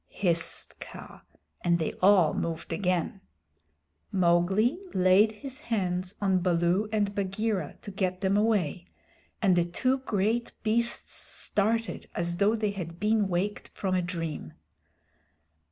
hissed Kaa, and they all moved again. Mowgli laid his hands on Baloo and Bagheera to get them away, and the two great beasts started as though they had been waked from a dream.